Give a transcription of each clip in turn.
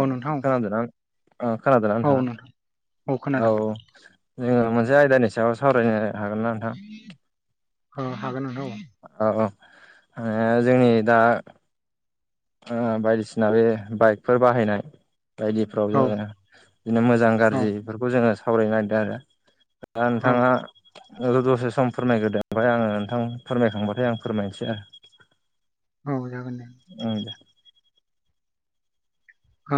औ नोंथां खोनादों दा। ओ खोनादोंना औ नोंथां नोंथाङा औ जोङो मोनसे आयदानि सायाव सावरायनो हागोन ना नोंथां। ओ हागोन नोंथां औ। औ औ ओ जोंनि दा ओ बायदिसिना बे बाइकफोर बाहायनाय। बायदिफ्राव जोङो औ बिदिनो मोजां गाज्रि औ इफोरखौ जोङो सावरायनो नागिरदों आरो दा औ नोंथाङा दसे सम फोरमायग्रोदो ओमफ्राय आङो नोंथां फोरमायखांबाथाय आं फोरमायनोसै आ औ जागोन दे औ दा। अ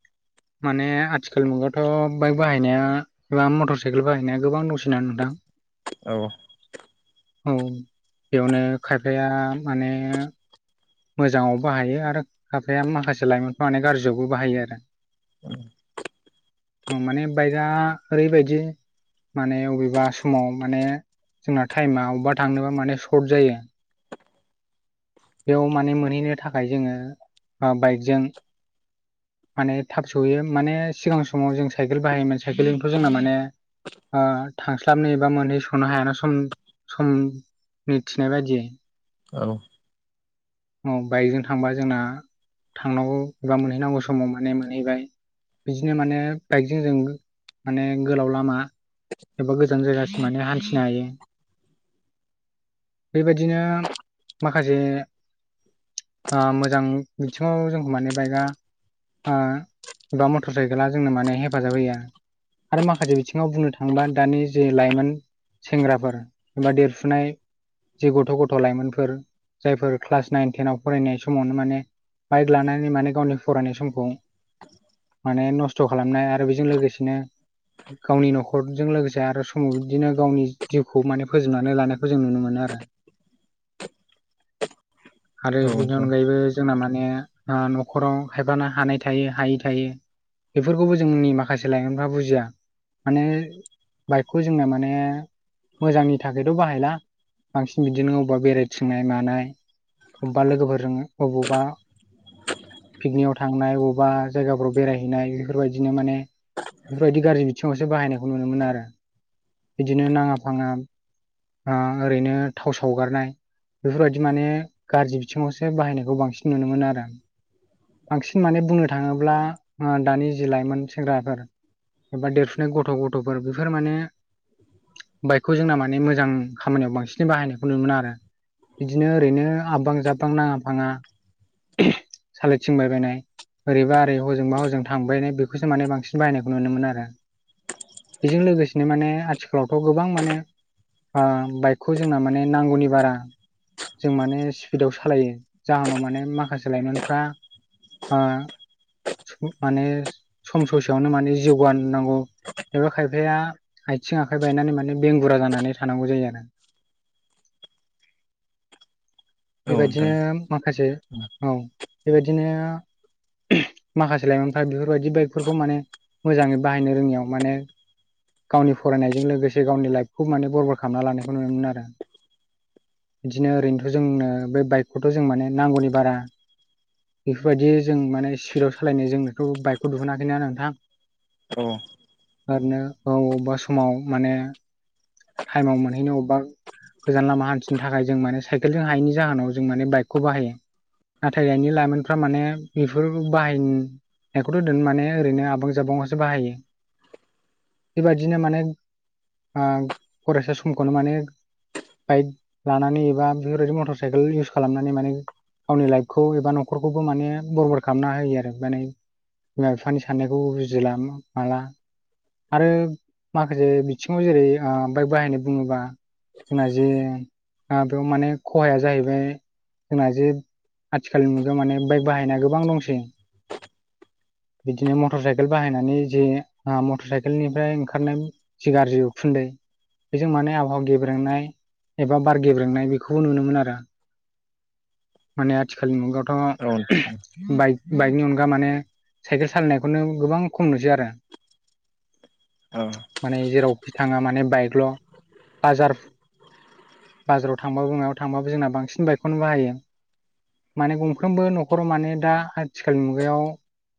[inaudible] माने आथिखाल मुगायावथ' बाइक बाहायनाया एबा मटर साइकेल बाहायनाया गोबां दंसिना नोंथां । औ। औ बेयावनो खायफाया माने। मोजाङाव बाहायो आरो खफाया माखासे लाइमोनफ्रा माने गाज्रियावबो बाहायो आरो। औ। माने बाइकआ ओरैबायदि माने अबेबा समाव माने जोंना टाइमा अबेबा थांनोबा माने सर्ट जायो । बेयाव माने मोनहैनो थाखाय जोङो बाइकजों माने थाब सहैयो माने सिगां समाव जों साइकेल बाहायोमोन साइकेलनिथ' जोंना माने ओ थांस्लाबनोबा मोनहै सोननो हायाना सम सम। मिथिनाय बायदियै औ। औ बाइकजों थांबा जोंना थांनांगौ एबा मोनहैनांगौ समाव माने मोनहैबाय । बिदिनो माने बाइकजों जों माने गोलाव लामा एबा गोजान जायगासिम मान हान्थिनो हायो । बेबायदिनो माखासे ओमोजां बिथिङाव जोंखौ माने बाइकआ ओ बा मटर साइकेला जोंनो माने हेफाजाब होयो। आरो माखासे बिथिङाव बुंनो थाङोबा दानि जे लाइमोन। सेंग्राफोर एबा देरफुनाय जि गथ' गथ' लाइमोनफोर जायफोर क्लास नाइन टेनाव फरायनाय समावनो माने बाइक लानानै माने गावनि फरायनाय समखौ माने नस्थ' खालामनाय आरो बेजों लोगोसेनो गावनि न'खरजों लोगोसे आरो समाव बिदिनो गावनि जिउखौ माने फोजोबनानै लानायखौ जों नुनो मोनो । आरो औ बिनि नोंथां अनगायैबो जोंना माने। ओ न'खराव खायफानो हानाय थायो हायै थायो। बेफोरखौबो जोंनि माखासे लाइमोनफ्रा बुजिया। माने बाइकखौ जोङो माने मोजांनि थाखायथ' बाहायला। बांसिन बिदिनो अबेबा बेरायथिंनाय मानाय अबेबा लोगोफोरजों बबावबा पिकनिकआव थांनाय बबेबा जायगाफ्राव बेरायहैनाय बेफोरबायदिनो माने बेफोरबायदि गाज्रि बिथिङावसो बाहायनायखौ नुनो मोनो आरो बिदिनो नाङा फाङा ओरैनो थाव सावगारनाय बेफोरबायदि माने गाज्रि बिथिङावसो बाहायनायखौ बांसिन नुनो मोनो आरो आं । बांसिन माने बुंनो थाङोब्ला ओ दानि जि लाइमोन सेंग्राफोर एबा देरफुनाय गथ' गथ'फोर बेफोर माने बाइकखौ जोंना माने मोजां खामानियाव बांसिन बिनि बाहायनायखौ नुनो मोना आरो बिदिनो ओरैनो आबबां जाबबां नाङा फाङा [inaudible] सालिथिंबायबायनाय ओरैबा ओरै हजोंबा हजों थांबायनाय बेखौसो माने बांसिन बायनायखौ नुनो मोन आरो । बेजों लोगोसेनो माने आथिखालावथ' गोबां माने ओ बाइकखौ जोंना माने नांगौनि बारा जों माने स्पिदाव सालायो जाहोनाव माने माखासे लाइमोनफ्रा ओ माने सम ससेयावनो माने जिउ गान नांगौ एबा खायफाया आथिं आखाइ बायनानै माने बेंगुरा जानानै थानांगौ जायो आरो [inaudible] औ बेबायदिनो नोंथां माखासे औ बेबायदिनो माखासे लाइमोनफ्रा बेफोरबायदि बाइकफोरखौ माने मोजाङै बाहायनो रोङियाव माने गावनि फरायनायजों लोगोसे गावनि लाइफखौ माने बरबाद खालामना लानायखौ नुनो मोनो आरो बिदिनो ओरैनोथ' जोंनो बे बाइकखौथ' जों माने नांगौनि बारा बेफोरबायदि जों माने स्पिडाव सालायनाय जोंनोखौ बाइकखौ दिहुनााखैना नोंथां औ आरोनो औ अबबेबा समाव माने थाइमाव मोनहैनो अबबा गोजान लामा हान्थिनो थाखाय जों माने साइकेल जों हायैनि जाहोनाव जों माने बाइकखौ बाहायो नाथाय दानि लाइमोनफ्रा माने बेफोर बाहाय बेखौथ' दोन माने ओरैनो आबां जाबां आवसो बाहायो बेबायदिनो माने आं फरायसा समखौनो माने बाइक लानानै एबा बेफोरबायदि मटर साइकेल इउस खालामनानै माने गावनि लाइफखौ एबा न'खरखौबो माने बरबाद खालामना होयो आरो माने बिमा बिफानि साननायखौबो बुजिला माला आरो माखासे बिथिङाव जेरै ओ बाइक बाहायनाय बुङो बा जोंना जे आ बेयाव माने खहाया जाहैबाय जोंना जे आथिखालनि मुगायाव माने बाइक बाहायनाया गोबां दंसै बिदिनो मटर साइकेल बाहायनानै जे ओ मटर साइकेलनिफ्राय ओंखारनाय जि गाज्रि उखुन दै बे बेजों माने आबहावा गेब्रेंनाय एबा बार गेब्रेंनाय बेखौबो नुनो मोनो आरो। माने आथिखालनि मुगायाव औ नोंथां । बाइकनि अनगा माने साइकेल सालायनायखौनो गोबां खम नुसै आरो औ माने जेरावखि थाङा माने बाइकल' बाजार बाजाराव थांबाबो मायाव थांबाबो जोंना बांसिन बाइकखौनो बाहायो । माने गंफ्रोमबो न'खराव माने दा आथिखालनि मुगायाव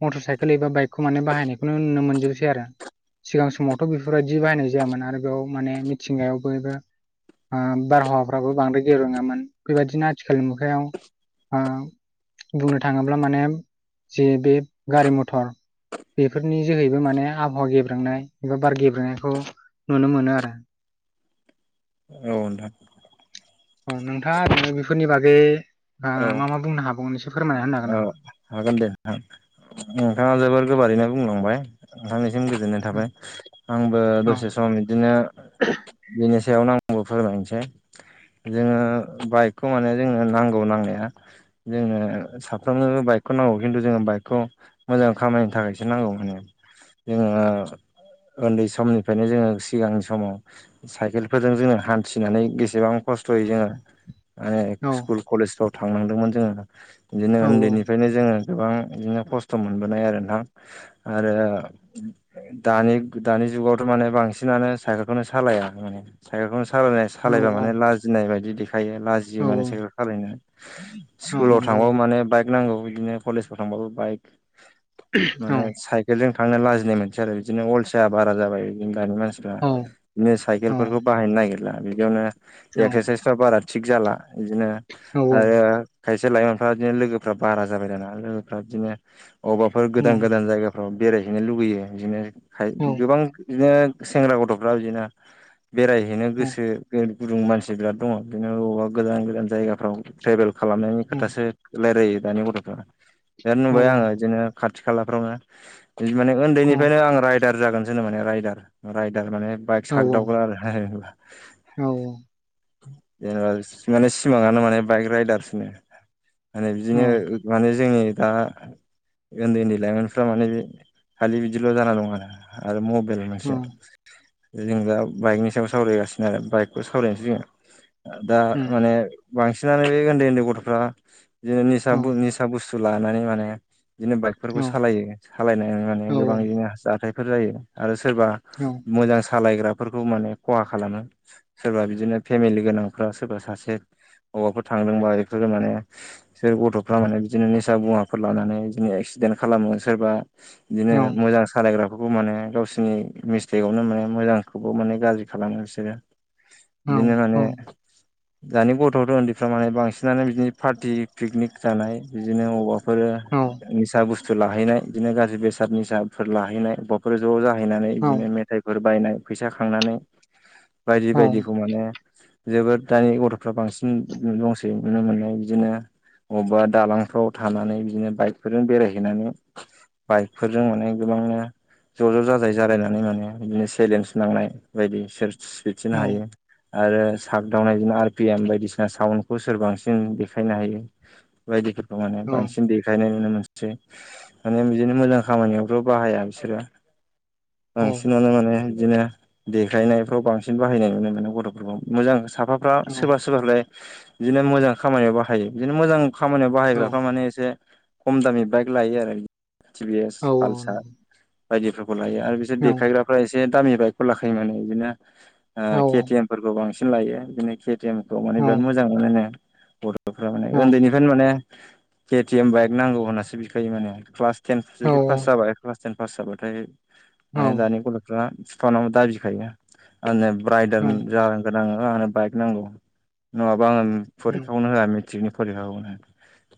मटर साइकेल एबा बाइकखौ माने बाहायनायखौनो नुनो मोनजोबसै आरो सिगां समावथ' बेफोरबायदि बाहायनाय जायामोन आरो बेयाव माने मिथिंगायाव बयबो ओ बारहावाफ्राबो बांद्राय गेब्रेंङामोन बेबायदिनो आथिखालनि मुगायाव ओ बुंनो थाङोब्ला माने जे बे गारि मथर बेफोरनि जोहैबो माने आबहावा गेब्रांनाय एबा बार गेब्रेनायखौ नुनो मोनो आरो औ नोंथां । औ नोंथाङा ओरैनो बेफोरनि बागै ओ औ मा मा बुंनो हाबाव़ एसे फोरमायना होनो हागोन औ नामा? हागोन दे नोंथां। नोंथाङा जोबोर गोबारैनो बुंलांबाय। नोंथांनि गोजोननाय थाबाय। आंबो औ दसे सम बिदिनो फिथायावनो आंबो फोरमायनोसै। जोङो बाइकखौ माने जोंनो नांगौ नांनाया जोंनो साफ्रोमबोनो बाइक खौ नांगौ खिन्थु जोङो बाइकखौ मोजां खामानिनो थाखायसो नांगौ माने। जोङो उन्दै समनिफ्रायनो जोङो सिगांनि समाव साइकेलफोरजों जोङो हान्थिनानै बेसेबां खस्थ'यै जोंङो माने औ स्कुल कलेजाव थांनांदोंमोन जोङो बिदिनो औ उन्दैनिफ्रायनो जोङो गोबां बिदिनो खस्थ' खथ मोनबोनाय आरो नोंथां आरो दानि दानि जुगावथ' माने बांसिन बुहुदानो साइकेलखौनो सालाया माने साइकेलखौनो सालायनाय औ सालायबा माने लाजिनाय बायदि देख खायो लाजियो औ माने साइेल सालायनो औ सकुलाव नंगौ थांबावो माने बाइक नांगौ बिदिनो कलेजाफोराव थांबाबो बाइक। औ माने साइकेल जों थांनो लाजिनाय मोनसै आरो बिदिनो अलसिया बारा जाबाय बिदिनो दानि मानसिफ्रा औ बिदिनो औ साइकेलफोरखौ बाहायनो नागिरला बिदियावनो औ एक्सारसाइसफ्रा बारा थिग जाला बिदिनो औ औ आरो खायसे लाइमोनफ्रा इदिनो लोगोफ्रा बारा जाबाय दाना लोगोफ्रा बिदिनो अबेबाफोर गोदान गोदान जायगाफ्राव बेरायहैनो लुबैयो बिदिनो हाइद उम औ गोबां बिदिनो सेंग्रा गथ'फ्रा बिदिनो बेरायहैनो गोसो गोर गुदुं मानसि बिराद दङ बिदिनो बबावबा गोजान गोजान जायगाफ्राव ट्रेभेल खालामनायनि खोथासो रायलायो दानि गथ'फ्रा। दानो औ नुबाय आङो बिदिनो खाथ खाथि खालाफ्रावनो माने उन्दैनिफ्रायनो आं राइदार जागोनसोनो माने रायदार रायदार माने बाइक औ साददावग्रा आरो। औ [inaudible] जेनेबा माने सिमाङानो माने बाइक राइदारसोनो। माने औ बिदिनो माने जोंनि दा उन्दै उन्दै लाइमोनफ्रा माने खालि बिदिल' जाना दं आरो आरो मब बेल मोनसे जों दा बाइकनि सायाव सावरायगासिनो आरो बाइकखौ सावरायनोसै जोङो। दा माने बांसिनानो बे उन्दै उन्दै गथ'फ्रा बिदिनो निसा बुं निसा बुस सु लानानै माने बिदिनो बाइकफोरबो सालायो सालायनानै माने गोबां इदिनो हास फोर जायो आरो सोरबा मोजां सालायग्राफोरखौ माने खहा खालामो। सोरबा बिदिनो फेमिलि गोनांफ्रा सोरबा सासे बबाफोर थांदोंबा एफोरो माने बिसोर गथ'फ्रा माने बिदिनो निसा मुवा फोर लानानै बिदिनो एक्सिडेन खालामो। सोरबा बिदिनो मोजां सालायग्रा बेफोरखौ माने गावसोरनि मिस्टेकआवनो माने मोजांखौबो माने गाज्रि खालामो इसोरो। बिदिनो माने दानि गथ'थ उन्दैफ्रा माने बांसिनानो बिदिनो पार्टि पिकनिक जानाय बिदिनो अबाव फोर निसा बुस्थु लाहैनाय बिदिनो गाज्रि बेसाद निसाफोर लाहैनाय बबाफोर ज' जा हैनानै बिदिनो मेथाइफोर बायनाय फैसा खांनानै बायदि बायदिखौ माने जोबोद दानि गथ'फ्रा बांसिन दंसै नुनो मोननाय बिदिनो बबेबा दालांफ्राव थानानै बिदिनो बाइकफोरजों बेरायहैनानै बाइकफोरजों माने गोबांनो ज' ज' जाजायै जालायनानै माने बिदिनो सेलेन्स नांनाय बायदि सोर स्पिदसिन हायो। आरो सागदावनायजोंनो आर पि एम बायदिसिना साउन्खौ सोर बांसिन देखायनो हायो बेबायदिखो [unintelligible] बांसिन देखायनाय नुनो मोनसै माने बिदिनो मोजां खामानियावथ' बाहाया बिसोरो। औ बांसिनानो माने। बिदिनो देखायनायफ्राव बांसिन बाहायनाय नुनो मोनो गथ'फोरखौ। मोजां साफाफ्रा औ सोरबा सोरबालाय बिदिनो मोजां खामानियाव बाहायो। बिदिनो मोजां खामानियाव औ बाहायग्रा से खम दामि बाइक लायो थि बियो औ औ पालसार नंगौ बायदि फोरखौ। लायो आरो बिसोर औ देखायग्राफ्रा एसे दामि बाइकखौ लाखायो माने बिदिनो औ के टि एम फोरखौ बांसिन लायो बिदिनो के टि एम खौ माने औ बिराद मोजां मोनो नो। गथ'फोरा माने औ उन्दैनिफ्रायनो मोनो। के टि एम बाइक नांगौ होननासो बिखायो माने ।क्लास टेन औ जुदि पास जाबाय क्लास टेन पास जाबाथाय, औ ओ- दानि गथ'फ्रा फिफानाव दाबिखायोना आनजाद राइदार औ जा गोनां आंनो बाइक नांगौ नङाबा आङो फरखियावनो होआलै। मेट्रिक नि फरिखानो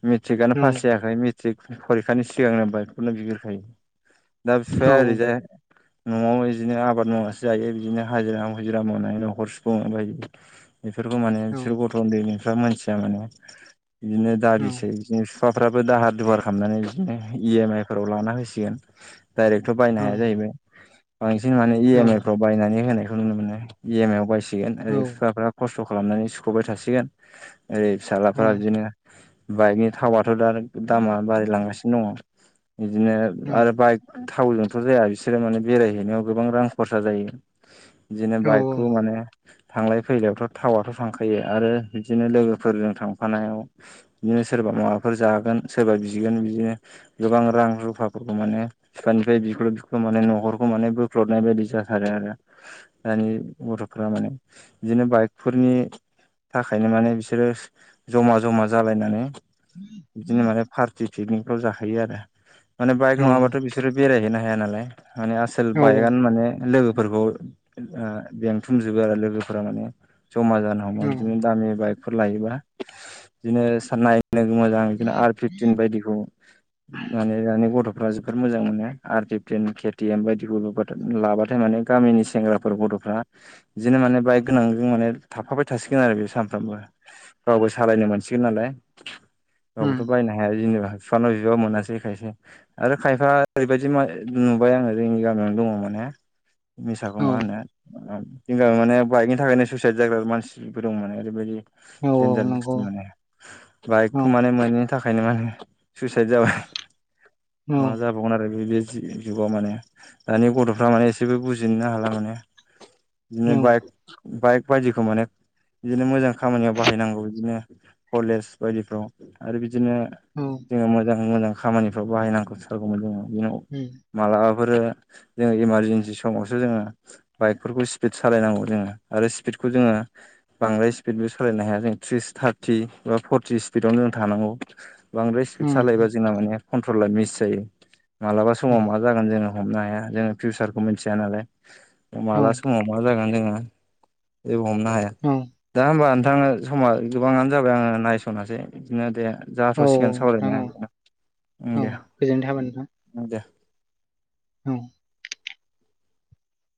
मेट्रिकआनो औ पास जायाखै मि थिग फरिखानि सिगांनो बाइकखौनो बिग्रोखायो दा औ फिफाया औ ओरैजाय न'आव इदिनो आबाद मावनासो जायो बिदिनो हाजिरा मुजिरा मावनानै न'खर सुफुंङो बाइदि। बेफोरखौ माने औ बिसोर गथ' उन्दैनिफ्रा मोनथियामोनना । बिदिनो दा बिसो फिफाफ्राबो दाहार दुवार खालामनानै बिदिनो इ एम आइ फोराव लाना होसिगोन। डाइरेक्टथ' बायनो हाया जाहैबाय बांसिन माने इ एम आइ फ्राव बायनानै होनाय। नुनो मोनो इ एम आव बायसिगोन ओरै फिफाफ्रा खस्थ' खालामनानै सुख'बाय थासिगोन। ओरै फिसालाफ्रा बिदिनो बाइकनि थावआथ' दा नों दामा बारिलांगासिनो दङ। बिदिनो आरो बाइक। थावजोंथ' जाया बिसोरो माने बेरायहैनायाव गोबां रां खरसा जायो। बिदिनो बाइकखौ माने थांलाय फैलायावथ' थावाथ' थांखायो आरो बिदिनो लोगोफोरजों थांफानायाव। बिदिनो सोरबा माबाफोर जागोन सोरबा बिगोन बिदिनो गोबां रां रुफाफोरखौ माने फिफानि। ओमफ्राय बिख्ल' बिख्ल' माने न'खरखौ माने बोख्लबनाय बायदि जाथारो आरो दानि गथ'फ्रा माने बिदिनो बाइकफोरनि थाखायनो माने बिसोरो ज'मा ज'मा जालायनानै बिदिनो माने पार्टि पिकनिकफ्राव जाहैयो आरो। माने बाइक नङाबाथ' बिसोरो बेरायहैनो हाया नालाय माने आसोल बाइकआनो माने लोगो‌ फोरखौ ओ लेंथुमजोबो आरो लोगोफोरा माने ज'मा जानो हमो बिदिनो दामि बाइकफोर लायोबा बिदिनो साननाय लोगो मोजां बिदिनो आर फिफटिन बायदिखौ मान दानि गथ' जोबोर मोजां मोनो आर टि के एम बायदि लाबाथाय माने गामिनि सेंग्राफोरबो दं। गथ'फ्रा बिदिनो माने बाइक गोनांजों माने थाफाबाय थासिगोन आरो बे सानफ्रामबो रावबो सालायनो मोनसिगोन नालाय उम गावबोथ' बायनो हाया जेनेबा बिफानाव बिबा मोनासै खायसे आरो खायफा ओरैबायदि म नुबाय आङो जोंनि गामियावनो दङ माने मिसाखौ औ मा औ होननो जों माने बाइकनि थाखायनो सुइसाइद जाग्रा मानसिबो दं माने ओरैबायदि [inaudible] औ नंगौ औ थाखायनो मा होनो सुइसाइत जाबाय औ मा जाव आरो जुगाव माने दानि गथ'फ्रा माने एसेबो बुजिनोनो हाला माने बिदिनो औ बाइक बाइक बायदिखौ माने बिदिनो मोजां खामानियाव बाहायनांगौ बिदिनो कलेज बायदिफ्राव आरो बिदिनो औ जोङो मोजां मोजां खामानिफ्राव बाहायनांथारगौमोन जोङो उम [inaudible] बे जोङो इमारजेेनसि समावसो जोङो बाइकफोरखौ स्पिड सालायनांगौ जोङो आरो स्पिड जोङो बांद्राय स्पिड सालायनो हाया फर्टि स्पिडावनो जों थानांगौ बांद्राय स्पिड उम सालायोबा जोंना माने कन्ट्रला मिस जायो। मालाबा समाव मा जागोन जोङो हमनो हाया जोङो फिउसारखौ मिथिया नालाय औ माला समाव मा जागोन जोङो जेबो हमनो हाया औ दा हबा नोंथाङनो समा गोबाङानो जाबाय आङो नायस'नोसै बिदिनो दे जाथ'सिगानो औ नोंथां सावराया औ हा औ दे गोजोननाय थाबाय नोंथां दे औ